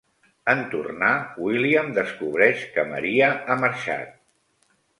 En tornar, William descobreix que Maria ha marxat.